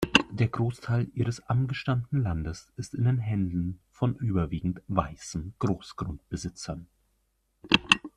Der Großteil ihres angestammten Landes ist in den Händen von überwiegend weißen Großgrundbesitzern.